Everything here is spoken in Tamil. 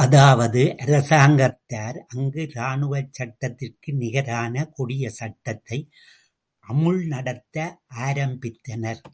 அதாவது அரசாங்கத்தார் அங்கு ராணுவச்சட்டத்திற்கு நிகரான கொடிய சட்டத்தை அமுல் நடத்த ஆரம்பித்தனர்.